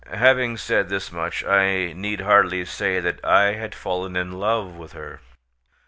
Having said this much, I need hardly say that I had fallen in love with her.